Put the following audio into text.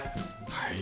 はい。